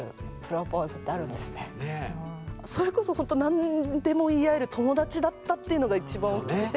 それこそほんと何でも言い合える友達だったっていうのがいちばん大きくて。